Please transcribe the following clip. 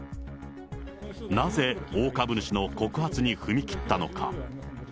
なぜ、大株主の告発に踏み切ったのか。